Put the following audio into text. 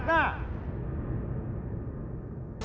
ก้าวไหน